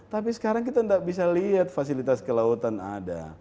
tapi sekarang kita tidak bisa lihat fasilitas kelautan ada